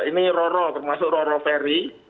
ini roro termasuk roro ferry